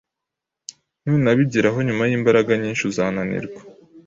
Nunabigeraho nyuma y’imbaraga nyinshi uzananirwa